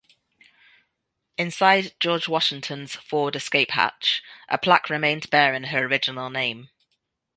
Inside "George Washington"'s forward escape hatch, a plaque remained bearing her original name.